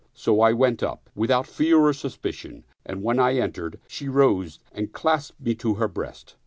So I went up, without fear or suspicion, and when I entered, she rose and clasped me to her breast.